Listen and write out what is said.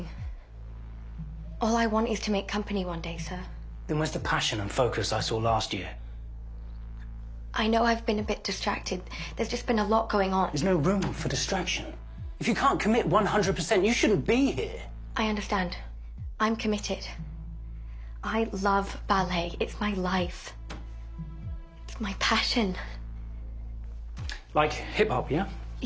はい。